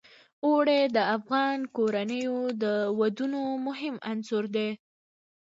اوړي د افغان کورنیو د دودونو مهم عنصر دی.